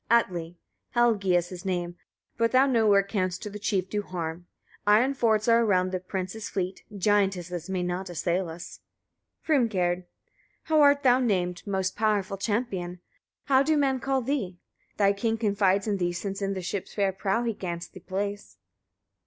Atli. 13. Helgi is his name; but thou nowhere canst to the chief do harm; iron forts are around the prince's fleet; giantesses may not assail us. Hrimgerd. 14. How art thou named? most powerful champion! How do men call thee? Thy king confides in thee, since in the ship's fair prow he grants thee place.